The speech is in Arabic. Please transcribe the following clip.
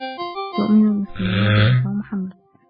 يؤمن المسلمون بعيسى و محمّد.